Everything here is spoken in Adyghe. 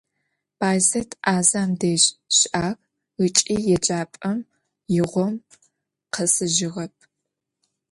Bayzet azem dej şı'ağ ıç'i yêcap'em yiğom khesıjığep.